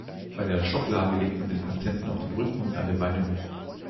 Bei der Schocklage legt man den Patienten auf den Rücken und seine Beine hoch.